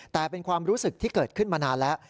แต่เป็นความรู้สึกที่เกิดขึ้นมานานแล้ว